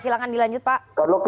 ya silahkan dilanjut pak